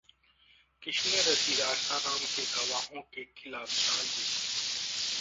किसने रची आसाराम के गवाहों के खिलाफ साजिश!